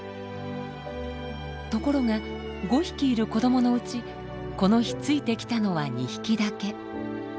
ところが５匹いる子どものうちこの日ついてきたのは２匹だけ。